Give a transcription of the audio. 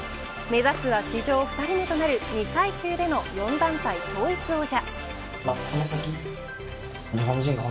目指すは史上２人目となる２階級での４団体統一王者。